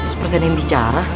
seperti yang bicara